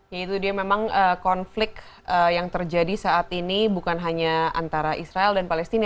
ya itu dia memang konflik yang terjadi saat ini bukan hanya antara israel dan palestina